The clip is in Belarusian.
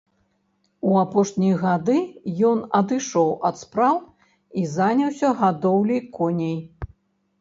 У апошнія гады ён адышоў ад спраў і заняўся гадоўляй коней.